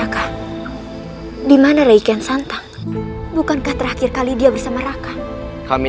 kasih petinggungmu dah terburuk selama tujuh hari